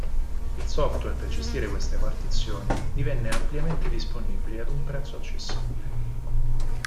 Il software per gestire queste partizioni divenne ampiamente disponibile a un prezzo accessibile.